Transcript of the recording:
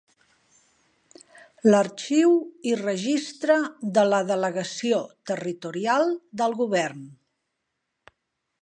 L'arxiu i registre de la delegació territorial del Govern.